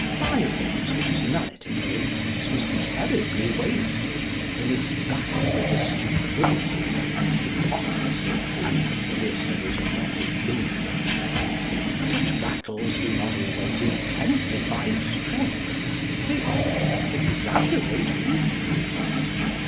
Byron's personality, for instance, was terribly wasted in its battle with the stupidity, and hypocrisy, and Philistinism of the English. Such battles do not always intensify strength: they often exaggerate weakness.